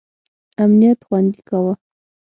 امنیت خوندي کاوه.